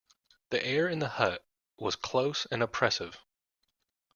The air in the hut was close and oppressive.